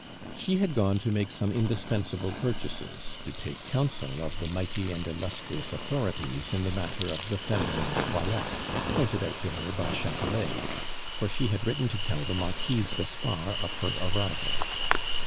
She had gone to make some indispensable purchases, to take counsel of the mighty and illustrious authorities in the matter of the feminine toilette, pointed out to her by Chatelet, for she had written to tell the Marquise d'Espard of her arrival.